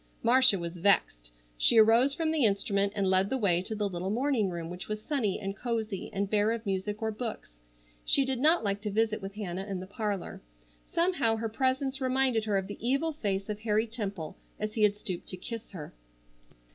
Marcia was vexed. She arose from the instrument and led the way to the little morning room which was sunny and cosy, and bare of music or books. She did not like to visit with Hannah in the parlor. Somehow her presence reminded her of the evil face of Harry Temple as he had stooped to kiss her.